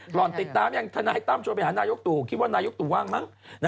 ห่อนติดตามยังทนายตั้มชวนไปหานายกตู่คิดว่านายกตู่ว่างมั้ง